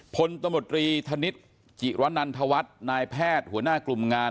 พลตมตรีธนิษฐ์จิระนันทวัฒน์นายแพทย์หัวหน้ากลุ่มงาน